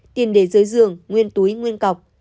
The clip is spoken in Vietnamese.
tiền để dưới giường nguyên túi nguyên cọc